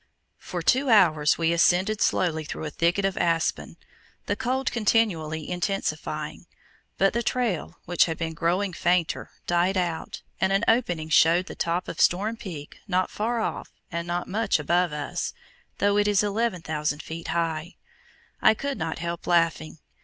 For two hours we ascended slowly through a thicket of aspen, the cold continually intensifying; but the trail, which had been growing fainter, died out, and an opening showed the top of Storm Peak not far off and not much above us, though it is 11,000 feet high. I could not help laughing.